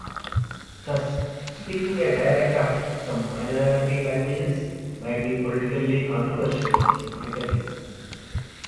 Thus, speaking a dialect of some minority languages might be politically controversial in Italy.